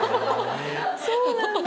そうなんだ。